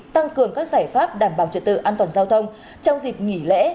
tăng cường các giải pháp đảm bảo trật tự an toàn giao thông trong dịp nghỉ lễ